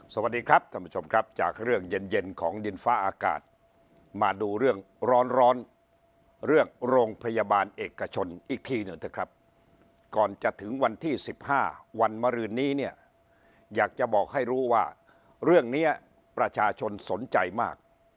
สวัสดีครับท่านผู้ชมครับจากเรื่องเย็นของดินฟ้าอากาศมาดูเรื่องร้อนเรื่องโรงพยาบาลเอกชนอีกทีหนึ่งเถอะครับก่อนจะถึงวันที่๑๕วันมารืนนี้เนี่ยอยากจะบอกให้รู้ว่าเรื่องนี้ประชาชนสนใจมาก